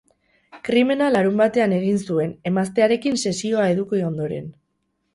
Krimena larunbatean egin zuen, emaztearekin sesioa eduki ondoren.